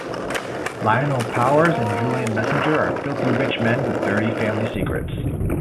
Lionel Powers and Julian Messenger are filthy rich men with dirty family secrets.